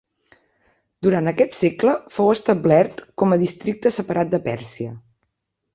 Durant aquest segle fou establert com a districte separat de Pèrsia.